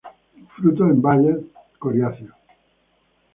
Frutos en bayas, coriáceos.